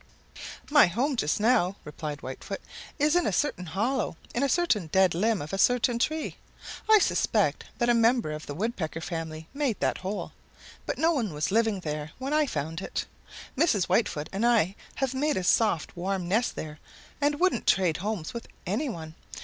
"My home just now," replied Whitefoot, "is in a certain hollow in a certain dead limb of a certain tree. I suspect that a member of the Woodpecker family made that hollow, but no one was living there when I found it. Mrs. Whitefoot and I have made a soft, warm nest there and wouldn't trade homes with any one.